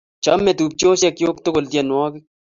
Chame tupchosyek chuk tukul tyenwogik